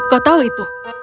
kau tahu itu